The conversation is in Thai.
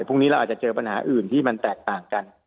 พรุ่งนี้เราอาจจะเจอปัญหาอื่นที่มันแตกต่างกัน